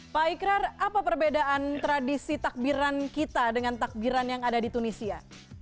pak ikrar apa perbedaan tradisi takbiran kita dengan takbiran yang ada di tunisia